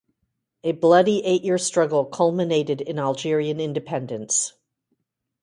A bloody eight-year struggle culminated in Algerian independence.